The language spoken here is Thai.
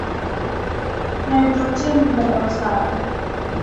ไนโตรเจนไดออกไซด์